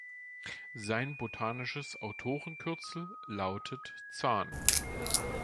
Sein botanisches Autorenkürzel lautet „Zahn“.